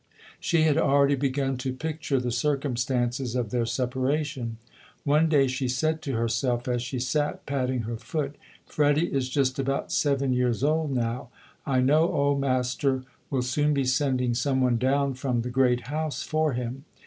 She had already begun to picture the circum stances of their separation. One day she said to herself as she sat patting her foot: "Freddie is just about seven years old now. I know old Mas ter will soon be sending some one down from the 'Great House' for him".